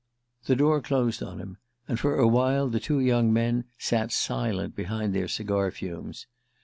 The door closed on him, and for a while the two young men sat silent behind their cigar fumes.